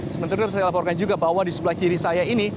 sementara itu saya laporkan juga bahwa di sebelah kiri saya ini